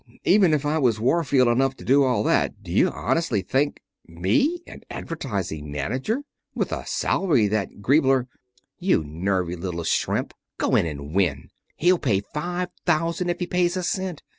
"Even if I was Warfield enough to do all that, d'you honestly think me an advertising manager! with a salary that Griebler " "You nervy little shrimp, go in and win. He'll pay five thousand if he pays a cent.